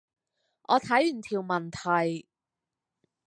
我睇完條問題